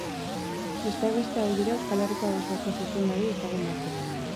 Besteak beste hauek dira Euskal Herriko abesbatza-zuzendari ezagun batzuk.